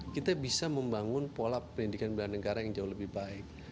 kita bisa membangun pola pendidikan bela negara yang jauh lebih baik